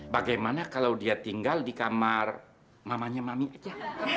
bagaimana kalau dia tinggal di kamar mamanya mami aja